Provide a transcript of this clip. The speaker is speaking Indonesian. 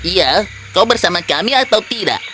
iya kau bersama kami atau tidak